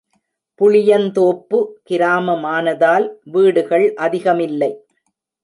புளியந்தோப்பு, கிராமமானதால், வீடுகள் அதிகமில்லை.